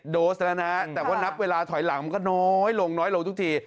๔๐๖๐๔๖๗โดสแล้วนะแต่ว่านับเวลาถอยหลังมันก็น้อยลงลงทุกที